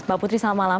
mbak putri selamat malam